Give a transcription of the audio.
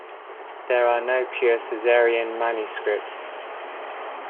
There are no pure Caesarean manuscripts.